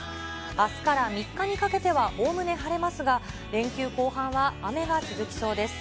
あすから３日にかけてはおおむね晴れますが、連休後半は雨が続きそうです。